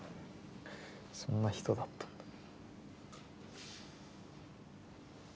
そんな人だったんだ。